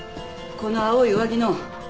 この青い上着の。